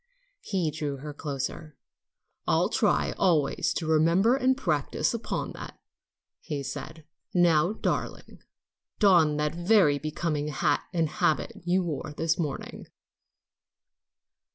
He drew her closer. "I'll try always to remember and practice upon that," he said, "Now, darling, don that very becoming hat and habit you wore this morning."